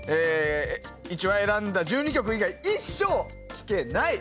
選んだ１２曲以外、一生聴けない。